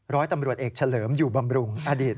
ร้อยตำรวจเอกเฉลิมอยู่บำรุงอดีต